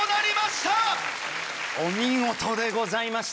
お見事でございました。